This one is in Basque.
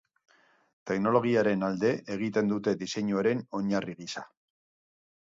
Teknologiaren alde egin dute diseinuaren oinarri gisa.